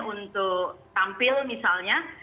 untuk tampil misalnya